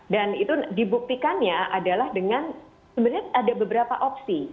dan itu dibuktikannya adalah dengan sebenarnya ada beberapa opsi